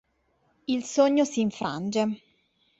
Il sogno si infrange.